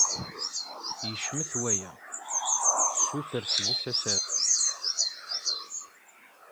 Yecmet waya. Ssuter seg-s asaruf.